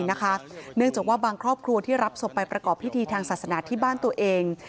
เนื่องจากว่าบางครอบครัวที่รับศพไปประกอบพิธีทางศาสนาที่บ้านตัวเอง